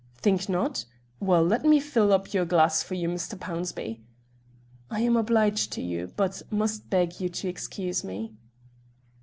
"Think not? Well, let me fill up your glass for you, Mr. Pownceby." "I am obliged to you, but must beg you to excuse me."